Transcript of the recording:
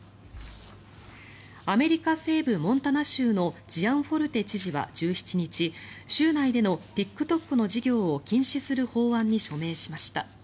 アメリカ西部モンタナ州のジアンフォルテ知事は１７日州内でのＴｉｋＴｏｋの事業を禁止する法案に署名しました。